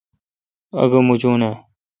آگہ موچونہ؟